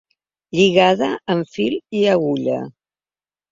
Lligada amb fil i agulla.